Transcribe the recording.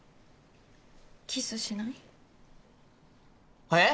キスしない？えっ！？